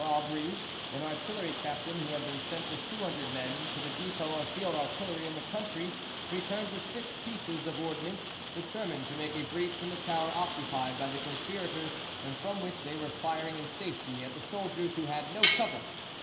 Aubry, an artillery captain who had been sent with two hundred men to the depot of field artillery in the country, returned with six pieces of ordnance, determined to make a breach in the tower occupied by the conspirators, and from which they were firing in safety at the soldiers, who had no cover.